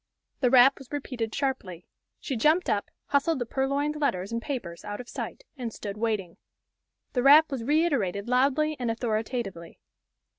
The rap was repeated sharply. She jumped up, hustled the purloined letters and papers out of sight, and stood waiting. The rap was reiterated loudly and authoritatively.